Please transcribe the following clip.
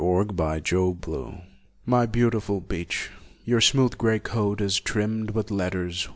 THE BEECH TREE. MY beautiful beech, your smooth grey coat is trimmed With letters.